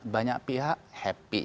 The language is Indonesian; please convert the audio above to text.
banyak pihak happy